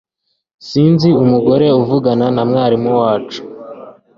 Sinzi umugore uvugana na mwarimu wacu